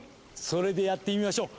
それでやってみましょう。